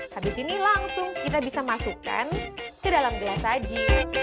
habis ini langsung kita bisa masukkan ke dalam gelas saji